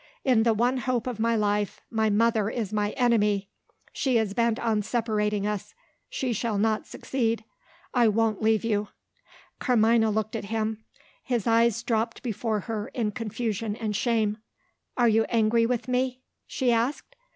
In the one hope of my life, my mother is my enemy. She is bent on separating us; she shall not succeed. I won't leave you." Carmina looked at him. His eyes dropped before her, in confusion and shame. "Are you angry with me?" she asked.